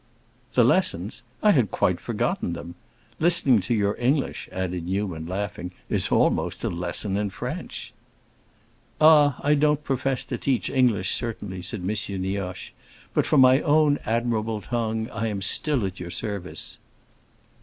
"The lessons? I had quite forgotten them. Listening to your English," added Newman, laughing, "is almost a lesson in French." "Ah, I don't profess to teach English, certainly," said M. Nioche. "But for my own admirable tongue I am still at your service."